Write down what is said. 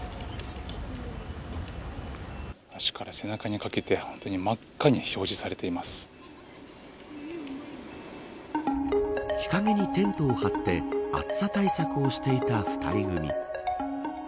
足から背中にかけて真っ赤に表示されて日陰にテントを張って暑さ対策をしていた２人組。